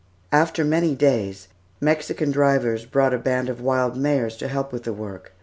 After many days, Mexican drivers brought a band of wild mares to help with the work.